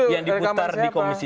yang diputar di komisi tiga